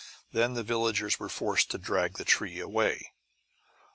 Then the villagers were forced to drag the tree away.